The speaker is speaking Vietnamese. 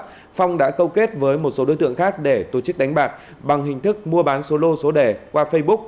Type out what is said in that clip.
lưu thành phong đã câu kết với một số đối tượng khác để tổ chức đánh bạc bằng hình thức mua bán số lô số đề qua facebook